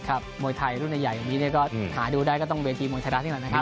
มวยไทยรุ่นใหญ่อย่างนี้ก็หาดูได้ก็ต้องเวทีมวยไทยรัฐนี่แหละนะครับ